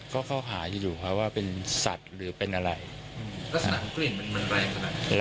ก็เขาหาอยู่ดูเขาว่าเป็นสัตว์หรือเป็นอะไรอืมแล้วสนามกลิ่นมันมันแรงสำหรับ